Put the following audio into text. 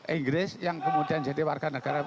inggris yang kemudian jadi warga negara